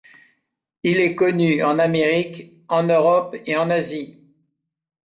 Il est connu en Amérique, en Europe et en Asie.